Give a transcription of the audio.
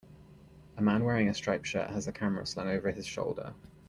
A man wearing a striped shirt has a camera slung over his shoulder.